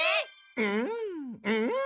うんうん！